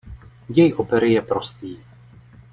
Děj opery je prostý.